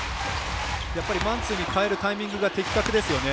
やっぱりマンツーに変えるタイミングが的確ですよね。